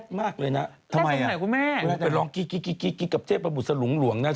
ผมว่าคุณไม่ใช่หลูบนะ